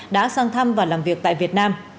đã sang thăm và làm việc tại việt nam